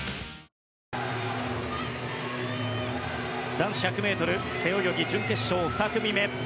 男子１００ｍ背泳ぎ準決勝２組目。